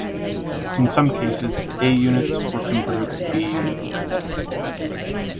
In some cases, A units were converted to B units.